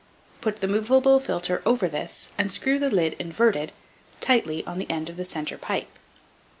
Put the movable filter over this, and screw the lid, inverted, tightly on the end of the centre pipe.